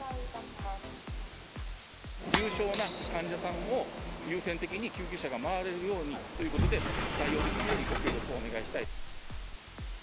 重症な患者さんを優先的に救急車が回れるようにということで、対応できるようにご協力をお願いしたい。